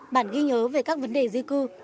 bản ghi nhớ về các vấn đề di cư